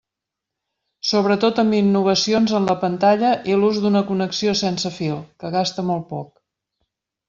Sobretot amb innovacions en la pantalla i l'ús d'una connexió sense fil, que gasta molt poc.